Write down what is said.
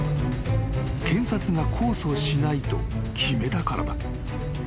［検察が控訴しないと決めたからだ］